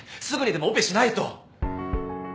すぐにでもオペしないと。